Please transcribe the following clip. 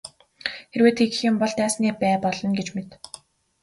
Хэрвээ тэгэх юм бол дайсны бай болно гэж мэд.